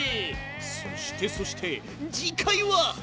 そしてそして次回は！